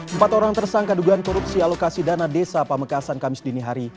empat orang tersangka dugaan korupsi alokasi dana desa pamekasan kamis dinihari